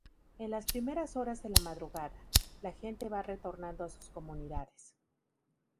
En las primeras horas de la madrugada, la gente va retornando a sus comunidades.